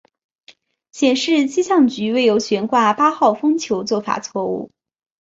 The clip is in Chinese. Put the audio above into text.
显示气象局未有悬挂八号风球做法错误。